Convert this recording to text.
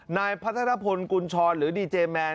นายพัฒนภพลกุญชรหรือดีเจแมน